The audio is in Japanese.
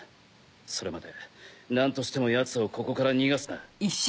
それまでなんとしてもヤツをここから逃がすな。